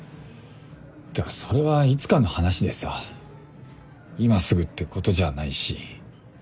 でもそれはいつかの話でさ今すぐって事じゃないし。